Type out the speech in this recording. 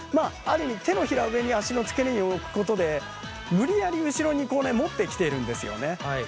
手のひらを上に足の付け根に置くことで無理やり後ろにこうね持ってきているんですよね。